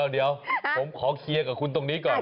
เดี๋ยวผมขอเคลียร์กับคุณตรงนี้ก่อน